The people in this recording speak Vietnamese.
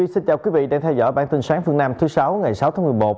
xin chào quý vị đang theo dõi bản tin sáng phương nam thứ sáu ngày sáu tháng một mươi một